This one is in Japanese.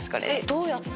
どうやって？